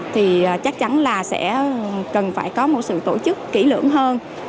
thì chắc chắn là sẽ cần phải có một sự tổ chức kỹ lưỡng hơn